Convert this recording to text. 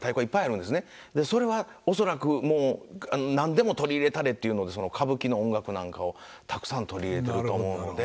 それは恐らくもう何でも取り入れたれというので歌舞伎の音楽なんかをたくさん取り入れてると思うので。